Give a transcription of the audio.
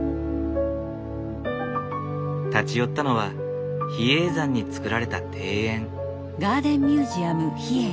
立ち寄ったのは比叡山に造られた庭園。